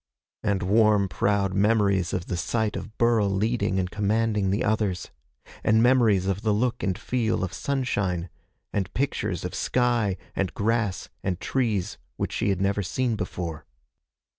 and warm, proud memories of the sight of Burl leading and commanding the others, and memories of the look and feel of sunshine, and pictures of sky and grass and trees which she had never seen before.